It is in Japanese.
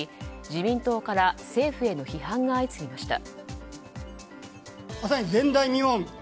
自民党から政府への批判が相次ぎました。